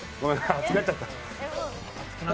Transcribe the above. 熱くなっちゃった。